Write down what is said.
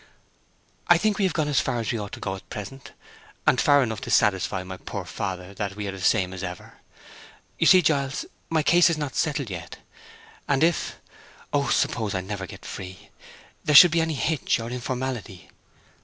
"I think we have gone as far as we ought to go at present—and far enough to satisfy my poor father that we are the same as ever. You see, Giles, my case is not settled yet, and if—Oh, suppose I never get free!—there should be any hitch or informality!"